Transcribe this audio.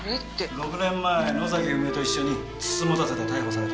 ６年前野崎文夫と一緒に美人局で逮捕された女だ。